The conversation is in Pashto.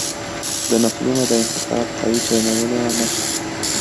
د نسلونو د انتقال قوي چینلونه نشته